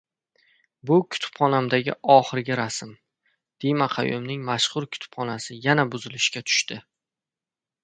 «Bu kutubxonamdagi oxirgi rasm». Dima Qayumning mashhur kutubxonasi yana buzilishga tushdi